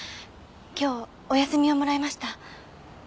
今日お休みをもらいました。